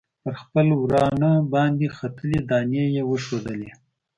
پر خپل ورانه باندې ختلي دانې یې وښودلې.